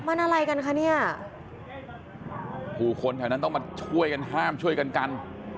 มันอะไรกันคะเนี่ยผู้คนแถวนั้นต้องมาช่วยกันห้ามช่วยกันกัน